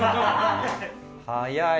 早い。